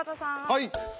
はい。